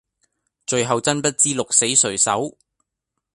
最後真不知鹿死誰手